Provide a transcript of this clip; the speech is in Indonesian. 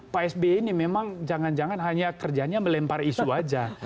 pak s b ini memang jangan jangan hanya kerjanya melempar isu saja